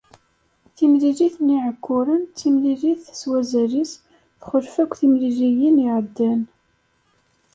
Timlilit n Yiɛekkuren d timlilit s wazal-is, txulef akk timliliyin iɛeddan.